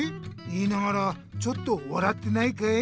言いながらちょっと笑ってないかい？